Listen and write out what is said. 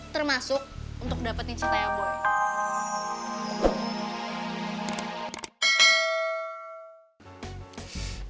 termasuk untuk dapetin cinta ya boy